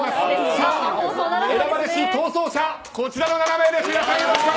さあ、選ばれし逃走者こちらの７名です。